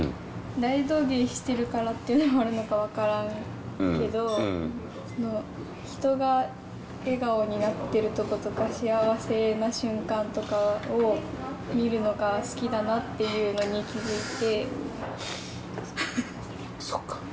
大道芸してるからっていうのもあるのか分からんけど、人が笑顔になってるところとか、幸せな瞬間とかを見るのが好きだなっていうのに気付いて。